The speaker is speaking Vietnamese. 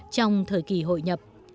trong thời kỳ hội nhập